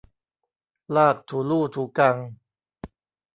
ลากถูลู่ถูกัง